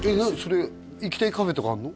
それ行きたいカフェとかあるの？